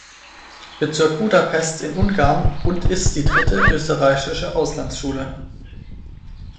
Bezirk Budapest in Ungarn und ist die dritte österreichische Auslandsschule.